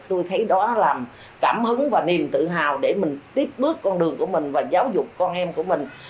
tôi thấy đó là cảm hứng và niềm tự hào để mình tiếp bước con đường của mình và giáo dục con em của mình